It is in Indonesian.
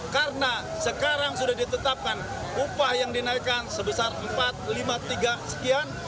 karena sekarang sudah ditetapkan upah yang dinaikkan sebesar empat lima tiga sekian